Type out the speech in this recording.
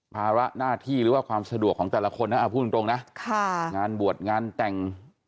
ภาระหน้าที่หรือว่าความสะดวกของแต่ละคนนะพูดตรงนะงานบวชงานแต่ง